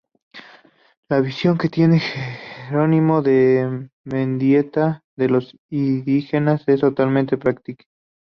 La visión que tiene Jerónimo de Mendieta de los indígenas es totalmente patriarcal.